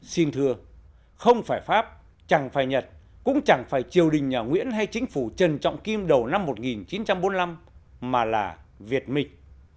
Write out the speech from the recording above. xin thưa không phải pháp chẳng phải nhật cũng chẳng phải triều đình nhà nguyễn hay chính phủ trần trọng kim đầu năm một nghìn chín trăm bốn mươi năm mà là việt minh